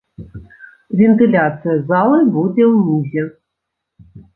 Вентыляцыя залы будзе ўнізе.